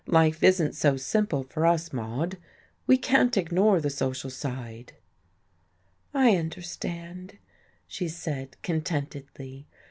Life isn't so simple for us, Maude we can't ignore the social side." "I understand," she said contentedly.